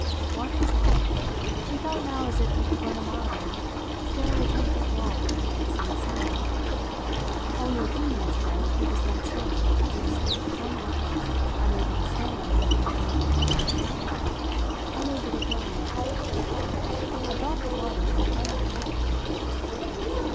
Water was life. He felt now as if he could run a mile, scale a ten foot wall, sing a song. Only a few minutes ago he was next door to a corpse, done up, unable to stand, to lift a hand; unable to groan. A drop of water had done that miracle.